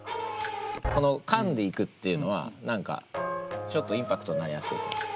この「カンッ」でいくっていうのは何かちょっとインパクトになりやすいですね。